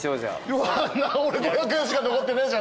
俺５００円しか残ってねえじゃねえか。